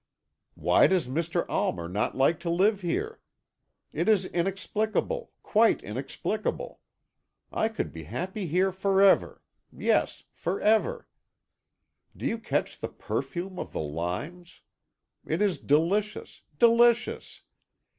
Why does Mr. Almer not like to live here? It is inexplicable, quite inexplicable. I could be happy here for ever yes, for ever! Do you catch the perfume of the limes? It is delicious delicious!